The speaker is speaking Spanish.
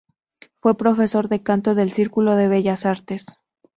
Fue profesor de Canto del Círculo de Bellas Artes.